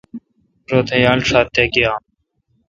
روتھ یال ݭات تے گیام۔